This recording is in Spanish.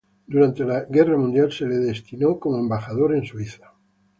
Durante la Bulgaria durante la guerra mundial, se le destinó como embajador en Suiza.